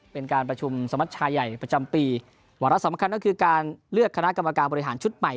เป็นการประชุมสมัชชายใหญ่ประจำปีวาระสำคัญก็คือการเลือกคณะกรรมการบริหารชุดใหม่